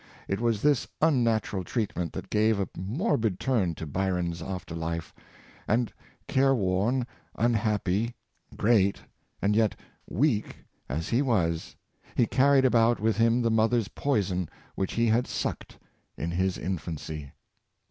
It was this unnatural treatment that gave a morbid turn to Byron's after life; and, care worn, unhappy, great, and yet weak, as he was, he carried about with him the mother's poison which he had sucked in his infancy.